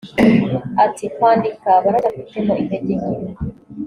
Ati “Kwandika baracyafitemo intege nke